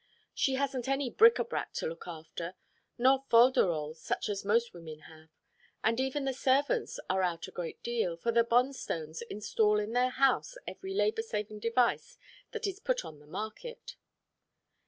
She hasn't any bric a brac to look after, nor fol de rols such as most women have, and even the servants are out a great deal, for the Bonstones install in their house every labour saving device that is put on the market.